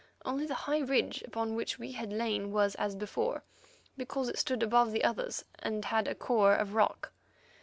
Only the high ridge upon which we had lain was as before, because it stood above the others and had a core of rock.